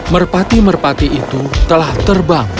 merpati merpati itu telah terbang